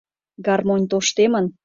Гармонь тоштемын.